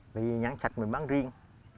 vì nhãn sạch mình bán riêng